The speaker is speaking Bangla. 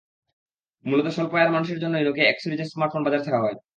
মূলত স্বল্প আয়ের মানুষদের জন্যই নকিয়া এক্স সিরিজের স্মার্টফোন বাজারে ছাড়া হয়।